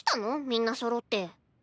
みんなそろって。